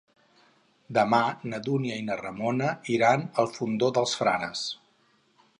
Demà na Dúnia i na Ramona iran al Fondó dels Frares.